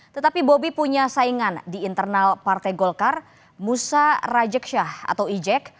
tetapi bobi punya saingan di internal partai golkar musa rajek syah atau ijek